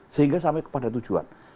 sehingga sampai kepada tujuan